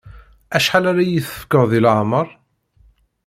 Acḥal ara yi-tefkeḍ deg leεmer?